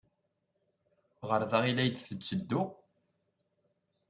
Ɣer da ay la d-tetteddu?